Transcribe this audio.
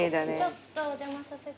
ちょっとお邪魔させて。